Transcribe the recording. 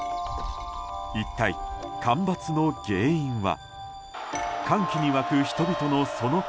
一体干ばつの原因は？